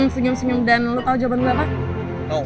senyum senyum dan lo tau jawaban gue apa